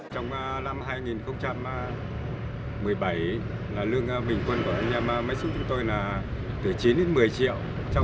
trong năm hai nghìn một mươi bảy lương bình quân của anh em máy xúc chúng tôi là từ chín đến một mươi triệu